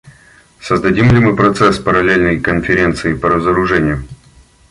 Создадим ли мы процесс, параллельный Конференции по разоружению?